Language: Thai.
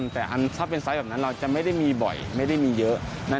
แต่ถ้าเป็นไซส์แบบนั้นเราจะไม่ได้มีบ่อยไม่ได้มีเยอะ